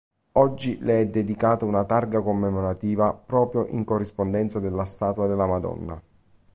Oggi le è dedicata una targa commemorativa proprio in corrispondenza della statua della Madonna.